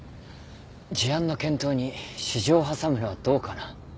事案の検討に私情を挟むのはどうかな。